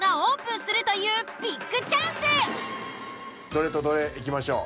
どれとどれいきましょう？